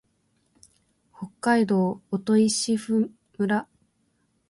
北海道音威子府村